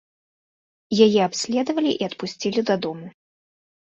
Яе абследавалі і адпусцілі дадому.